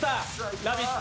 「ラヴィット！」